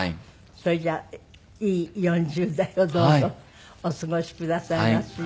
それじゃいい４０代をどうぞお過ごしくださいますよう。